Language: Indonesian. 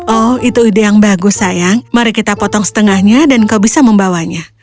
oh itu ide yang bagus sayang mari kita potong setengahnya dan kau bisa membawanya